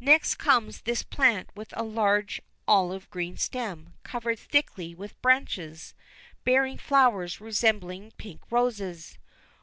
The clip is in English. Next comes this plant with a large olive green stem covered thickly with branches, bearing flowers resembling pink roses.